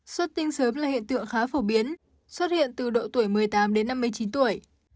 xuất tinh sớm là hiện tượng khá phổ biến xuất hiện từ độ tuổi một mươi tám đến năm mươi chín tuổi